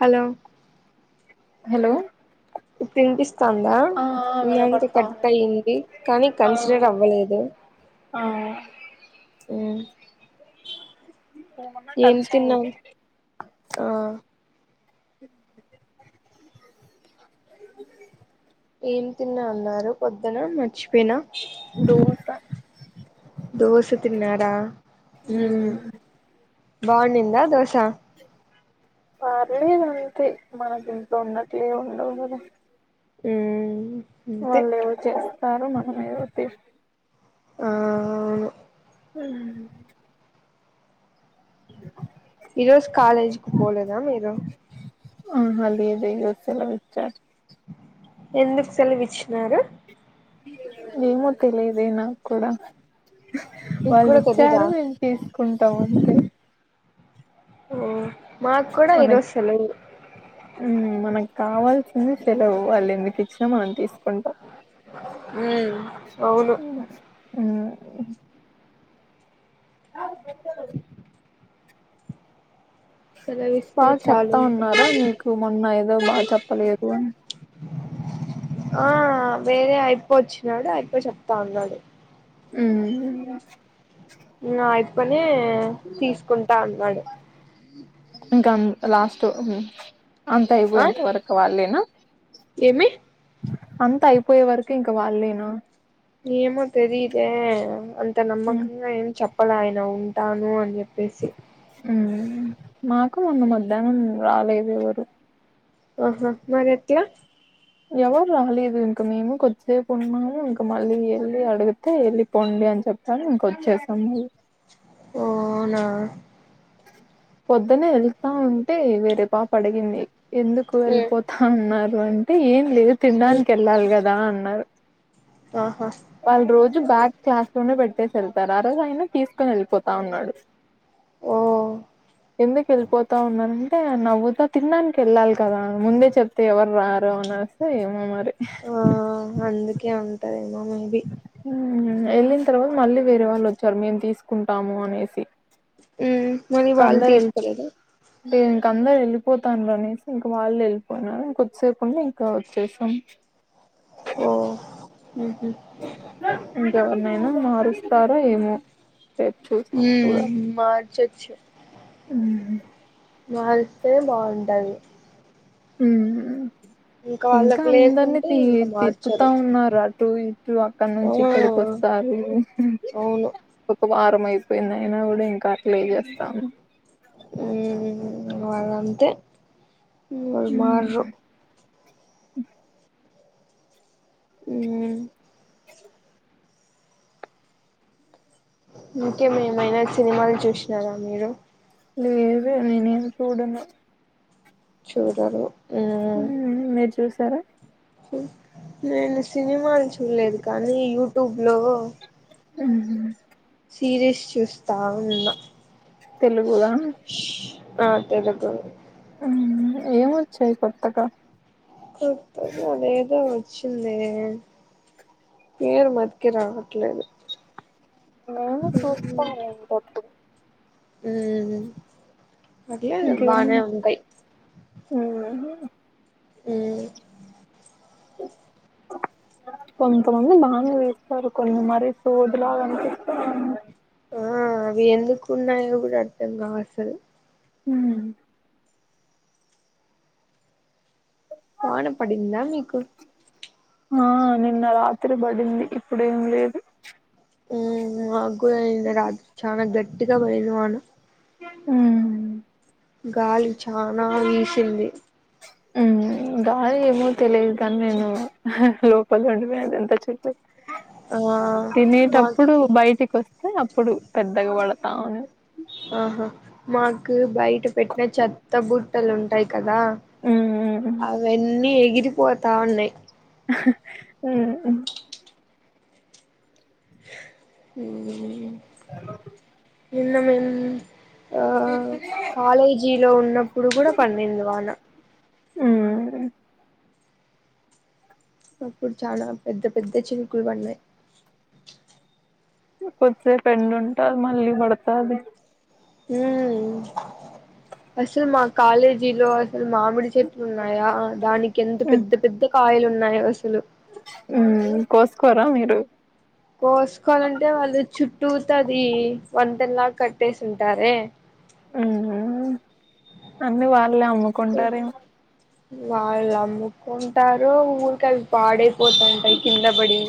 hello hello వినిపిస్తాందా ఆ ఆ అందుక వినపడతా ఉంది కట్ అయ్యంది కానీ ఆ కన్సిడర్ అవ్వలేదు ఆ మ్ ఏమన్నా టచ్ అయ్యంది ఆ ఏం తిన్నా అన్నారు పొద్దున మర్చిపోయినా నూ దోశ తిన్నారా బావున్నిందా దోస పర్లేదు అంతే మన ఇంట్లో ఉన్నట్లే ఉండవు కద మ్ వాళ్ళు ఏవో చేస్తారు మనమేవో తీ ఆ అవును ఉమ్ అ ఈరోజు కాాలేజ్ కు పోలేదా మీరు ఆహా లేదు ఏదో సెలవిచ్చారు ఎందుకు సెలవిచ్చినారు ఏమో తెలిదె నాకు కూడా నీకు వాళ్ళు కూడా తెలీదా ఇచ్చారూ తీసుకుంటాం అంతె మ్ మాక్కూడా మనకి ఈరోజు సెలవు మనకు కావాల్సింది సెలవు వాళ్ళు ఎందుకు ఇచ్చినా మనం తీసుకుంటాం మ్మ్ అవును మ్ అవు సెలవిస్తే బాగా చాలు చెప్తా ఇంకా ఉన్నారా మీకు మొన్న ఏదో బాగా చెప్పలేదు అని ఆ వేరే అయిపో వచ్చినాడు అయిపోయి చెప్తా అన్నాడు ఉ అయిదు పని తీసుకుంటా అన్నాడు ఇంకా లాస్ట్ అంత ఆ ఇయిపోయెంత వరకు వాళ్ళేనా ఏమి అంతా అయిపోయే వరకు ఇంక వాళ్ళేనా ఏమో తెలిదే అంత నమ్మకంగా ఏం చెప్పలే ఆయన ఉంటాను అని చెప్పేసి మ్ మాకు మొన్న మధ్యాహ్నం రాలేదు ఎవరు ఒహొమరి ఎట్లా ఎవరు రాలేదు ఇంక మేము కొద్దిసేపు ఉన్నాము ఇంక మళ్ళీ వెళ్ళి అడిగితే వెళ్ళిపోండి అని చెప్ ప్పారు ఇంకొచ్చేసాం ఓ నా పొద్దునే వెళ్తా ఉంటే వేరేపాప అడిగింది ఎందుకు వెళ్ళిపోత్ తున్నారు అంటే ఏం లేదు తినడానికి వెళ్ళాలి కదా అన్నారు ఆహా వాళ్ళు రోజు బ్యాగ్ క్లాస్ లోనే పెట్టేసి వెళ్తారు ఆ రోజు అయన తీసుకొని వెళ్ళిపోతా ఉన్నాడు ఓ ఎందుకు వెళ్ళిపోతా ఉన్నారండి అంటే నవ్వుతా తినడానికి వెళ్ళాలి కదా ముందే చెప్తే ఎవరు రారు అనేసి ఏమో మరి ఊ అందుకే అంటారేమో మేబి హ్మ్మ్ వెళ్ళిన తర్వాత మళ్ళీ వేరే వాళ్ళు వచ్చారు మేము తీసుకుంటాము అనేసి ఉమ్ మరి ఇంక వాళ్ళు అందరు వెళ్ళి తీసుకోలేద ఇంక అందరు వెళ్ళిపోతాండారు అనేసి ఇంకా వాళ్ళు వెళ్ళిపోయినారు ఇంకొద్దిసేపుంటే ఇంకా వచ్చేసాం ఓ హు హు ఇంకెవరినైనా మారుస్తారో ఏమో సచ్చు ఉమ్ మార్చచ్చు ఉహూ మార్స్తే బాగుంటది ఉమ్ ఇంకా వాళ్ళకి అందరినీ లేకుంటే తి ఇంకా తిప్పుతా మార్చరు ఉన్నారు అటు ఇటు అక్కడ ఆ నుంచి ఇక్కడికి వస్త ఒకసారి అవును ఒక వారం అయిపోయింది అయినా కూడా ఇంకా అట్లే చేస్తాను హ్మ్మ్ వాళ్ళంతే మారరు హ ఉమ్ [inaudible] ఇంకేమే ఏమైనా సినిమాలు చూసినారా మీరు లేదు నేను ఎం చూడను చూడను హు మీరు చూసారా నేను సినిమాలు చూడలేదు కానీ యూట్యూబ్ లో హుమ్ సీరీస్ చూస్తా ఉన్నా తెలుగు వా ఆ తెదకు హ్మ్మ్ ఏమొచ్చాయి కొత్తగా కొత్తగా అదేదో వచ్చిందే పేరు మతికి రావట్లేదు నేను చూస్తా ఇపొద్దు హ్మ్మ్ పర్లే బానే ఉంటయి ఉహూ ఉమ్ [inaudible] కొంతమంది బాగా వేస్తారు కొన్ని మరీ సోది లాగా అనిపిస్తారు ఆ అవి ఎందుకు ఉన్నాయో కూడా అర్థం కావు అసలు హ్మ్మ్ వాన పడిందా మీకు ఆ నిన్న రాత్రి పడింది ఇప్పుడు ఏం లేదు హ్మ్మ్ మాకు కూడా నిన్న రాత్రి చాన గట్టిగా పడింది వాన గాలి చానా వీసింది ఉమ్ గాలి ఏమో తెలియదు కాని నేను లోపల ఉండేవి అదంతా చెప్తే ఆ తినేటప్పుడు మాకి బయటికి వస్త అంటే అప్పుడు పెద్దగా పడతామని ఆహా మాకు బయట పెట్టిన చెత్త బుట్టలు ఉంటాయి కదా ఉమ్ అవన్నీ ఎగిరిపోతా ఉన్నాయి ఆ ఆ అ నీన్న మేం వ కాలేజీలో ఉన్నప్పుడు కూడా పడింది వాన ఉమ్ అప్పుడు చానా పెద్ద పెద్ద చిరుకులు పన్నాయి కొద్దిసేపు ఎండు ఉంటాది మళ్ళీ పడతది హ అసలు మా కాలేజీలో అసలు మామిడి చెట్లు ఉన్నాయా దానికి ఎంత పెద్ద పెద్ద కాయలు ఉన్నాయో అసలు ఉ కోసుకోరా మీరు కోసుకోవాలంటే వాళ్ళు చుట్టూత అది వంతేన్లాగా కట్టేసింటారే ఉ అన్నీ వాళ్ళే అమ్ముకుంటారే వాళ్ళు అమ్ముకుంటారు ఊరికవి పాడైపోతంటాయి కింద పడి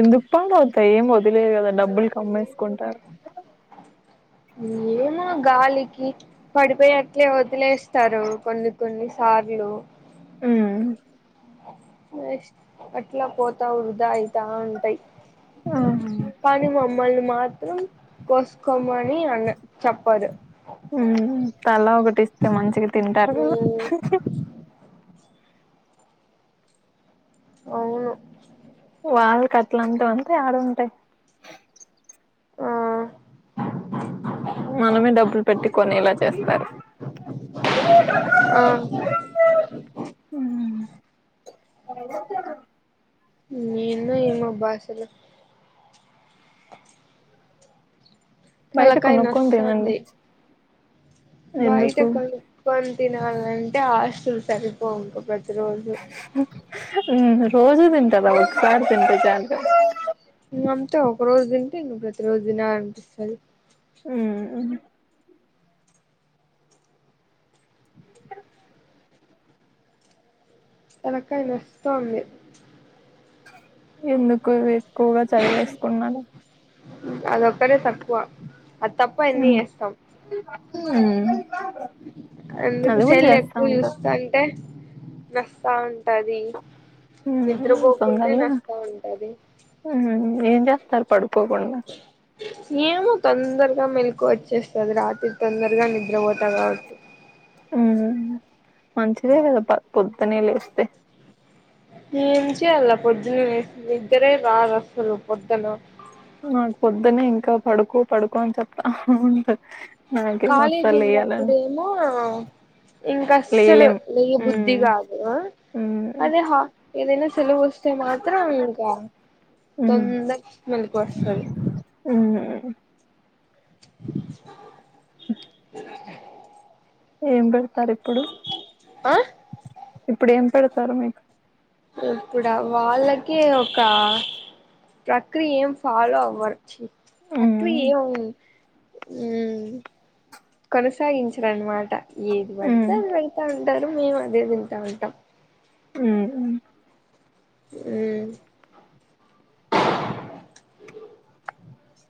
ఎందుకు పాడు వతాయి ఏం వదిలేదు కదా డబ్బులు కమ్మేసుకుంటారు ఏమో గాలికి పడిపోయి అట్లే వదిలేస్తారు కొన్ని కొన్ని సార్లు ఉ నెక్ట్ అట్లా పోతా వృదా అయితా ఉంటాయి ఆహ కాని మమ్మల్ని మాత్రం కోసుకోమని అనరూ చెప్పరు తల ఒకటి ఇస్తే మంచిగా తింటారు కదా అవును వాళ్ళ కట్ల అంతా అంతే ఆడుంటాయి ఆ మనమే డబ్బులు పెట్టి కొనేలా చేస్తారు ఆ హ ఏందో ఏమో బాసలు బయట తలకాయ కొనుక్కో తినండి నొస్తాంది బయట ఎందుకు కొనుకొని తినాలంటే ఆస్తులు సరిపోవు ప్రతి రోజు రోజు తింటా ఒకసారి తింటె చాలు అంతే ఒక రోజు తింటే ప్రతి రోజు దినలనిపిస్తది ఉ తలకాయ నొస్తాంది ఎందుకు ఎక్కువగా చదివేసుకున్నాడ అదొక్కరే తక్కువ అది తప్పవన్ని ఏస్తాం ఉ అందుకు సెల్ ఎక్కువ చూస్త అంటే నస్తా ఉంటది మ్మ్ నిద్రపోకుంటే తొందరలో నస్తా ఉంటది ఏం చేస్తారు పడుకోకుండా ఏమో తొందరగా మెల్కు వచ్చేస్తది రాత్రి తొందరగా నిద్ర పోతా కాబట్టి ఉ మంచిదే కదా పొద్దునే లేస్తే ఏం చేయాల పొద్దునే లేసి నిద్దరే రాదు అసలు పొద్దున నాకు పొద్దునే ఇంకా పడుకో పడుకో అని చెప్తా ఉంట నాకేమో అసల్ లేయాలని నువ్వు ఇంకా అస్సలు లేలేం లేయబుద్ధి మ్మ్ కాదు మ్మ్ అదే హా ఏదైనా సెలవు వస్తే మాత్రం ఇంకా మ్మ్ తొందర మెలుకు వస్తది మ్మ్ [inaudible] ఏం పెడతారు ఇప్పుడు ఆ ఇప్పుడు ఏం పెడతారు మీకు ఇప్పుడా వాళ్ళకి ఒక ప్రక్రియ ఏం ఫాలో అవ్వరు చి అట్లెయోమ్ మ్మ్ కొనసాగించరనమాట ఏది బడితే అది అయితాం టారు మేము అదే వింటా ఉంటాం మ్మ్ హు మ్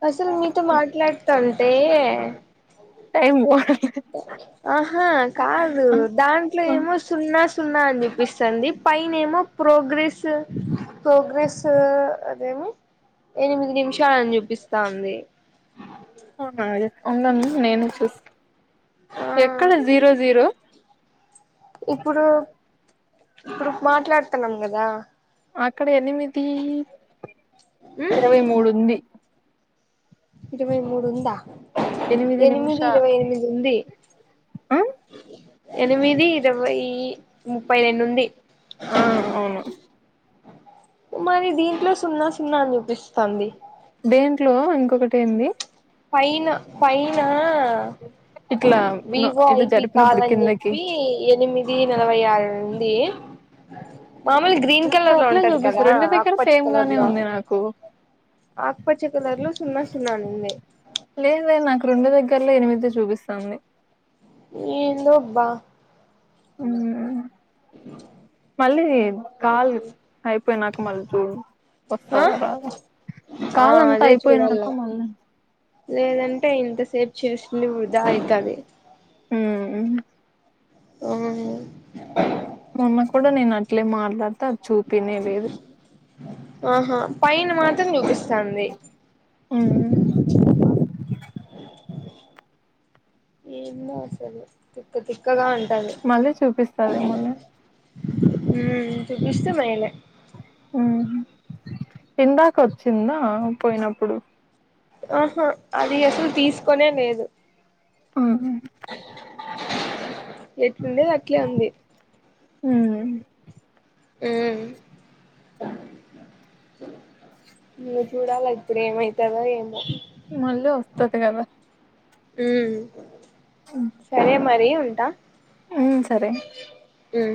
అసల్ నీతో మాట్లాడతంటే టైం [inaudible] ఆహా కాదు దాంట్లో ఏమో సున్నా సున్నా అని చూపిస్తుంది పైనేమో ప్రోగ్రెసివ్ ప్రోగ్రెస్ అదేమో ఎనిమిది నిమిషాలని చూపిస్తాంది అవునా ఉండుండు నేను చూస్త ఆ ఎక్కడ జీరో జీరో ఇప్పుడు ఇప్పుడు మాట్లాడుతున్నాం కదా అక్కడ ఎనిమిది మ్మ్ ఇరవై మూడు ఉంది ఇరవై మూడు ఉందా ఎనిమిది ఇరవై ఎనిమిది ఉంది ఆ ఎనిమిది ఇరవై ముప్పై రెండు ఉంది ఆ అవును మరి దీంట్లో సున్నా సున్నా అని చూపిస్తాంది దేంట్లో ఇంకొకటెంది పైన పైనా ఇట్లా వివో ఇట్లా ఐపి జరిపినప్పుడు కాదని కిందకి చెప్పి ఎనిమి ది నలభై ఆరు ననుంది మాములు గ్రీన్ నాకు కలర్ లో అట్లే ఉంటది కదా చూపిస్తారు రెండు దగ్గర ఆకుపచ్చి సేమ్ కలర్ గానే లో ఉంది నాకు ఆకుపచ్చ కలర్ లో సున్నా సున్నా అని అంది లేదువే నాకు రెండు దగ్గరలో ఎనిమిది చూపిస్తుంది ఏందోబ్బా మ్మ్ మళ్ళీ కాల్ అయి అయిపోయినాక మళ్ళీ చూడు ఆ వస్తదా రాదా ఆ కాలంతా అదే చూడాల అయిపోయినాక మళ్ళీ లేదంటే ఇంతసేపు చేసింది వృధా అయితది మ్మ్ ఆ మా అమ్మ కూడా నేను అట్లే మాట్లాడితే అది చూపినే లేదు ఆహా పైన మాత్రం చూపిస్తాంది ఉమ్మ్ ఏందో అసలు మళ్ళీ చూపిస్తది మళ్ళీ ఉమ్మ్ చూపిస్తే మేలే ఉహు ఇందాక వచ్చిందా పోయినప్పుడు ఆహా అది అసలు తీసుకొనే లేదు ఆహా ఎట్లుండేది అట్లే ఉంది ఉమ్మ్ ఉమ్ ఇంగ చూడాల ఇప్పుడు ఏమైతదో ఏమో మళ్ళీ వస్తాది కదా ఉమ్ సరే మరి ఉంటా ఉమ్ సరే ఉమ్